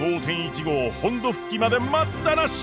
５．１５本土復帰まで待ったなし！